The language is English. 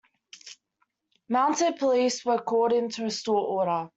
Mounted police were called in to restore order.